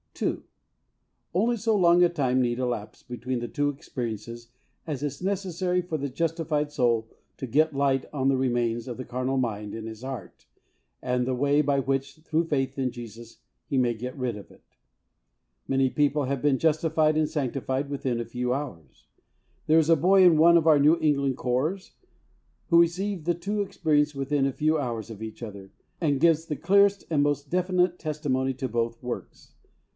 (2.) Only so long a time need elapse between the two experiences as is necessary for the justified soul to get light on the remains of the carnal mind in his heart and the way by which, through faith in Jesus, he may get rid of it. Many people have been justified and sanctified within a few hours. There is a boy in one of our New England Corps who received the two experiences within a few hours of each other, and gives the clearest and most definite testimony to both works.